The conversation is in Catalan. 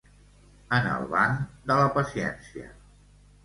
En el banc de la paciència.